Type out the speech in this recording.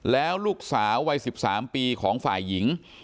แล้วลูกสาววัย๑๓ปีของฝ่ายหญิง